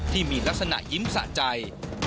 ที่มีลักษณะยิ้มสะใจ